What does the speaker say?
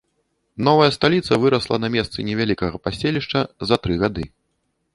Новая сталіца вырасла на месцы невялікага паселішча за тры гады.